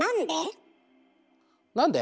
なんで？